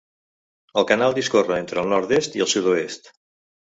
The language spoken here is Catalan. El canal discorre entre el nord-est i el sud-oest.